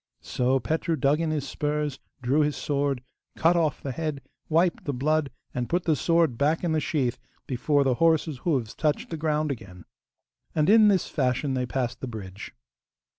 So Petru dug in his spurs, drew his sword, cut of the head, wiped the blood, and put the sword back in the sheath before the horse's hoofs touched the ground again. And in this fashion they passed the bridge.